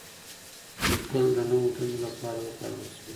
لیکل د نوو دندو لپاره وکارول شول.